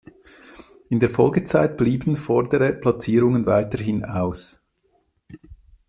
In der Folgezeit blieben vordere Platzierungen weiterhin aus.